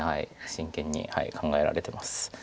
真剣に考えられてます。